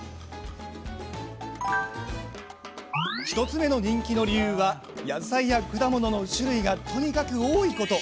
１つ目の人気の理由は野菜や果物の種類がとにかく多いこと。